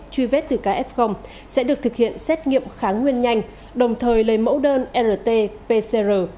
truy vết từ kf sẽ được thực hiện xét nghiệm kháng nguyên nhanh đồng thời lấy mẫu đơn rt pcr